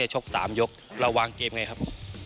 ชก๓ยกเราวางเกมไงครับ